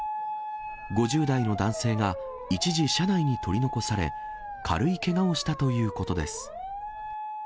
５０代の男性が一時、車内に取り残され、軽いけがをしたということです。